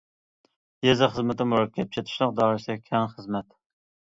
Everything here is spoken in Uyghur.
يېزا خىزمىتى مۇرەككەپ، چېتىلىش دائىرىسى كەڭ خىزمەت.